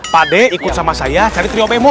pak d ikut sama saya cari trio bemo